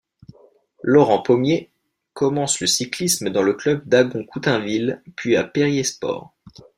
Laurent Paumier commence le cyclisme dans le club d'Agon-Coutainville puis à Périers Sports.